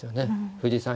藤井さん